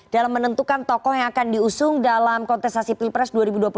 dalam menentukan tokoh yang akan diusung dalam kontestasi pilpres dua ribu dua puluh empat